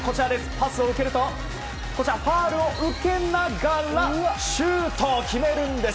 パスを受けるとファウルを受けながらシュートを決めるんです。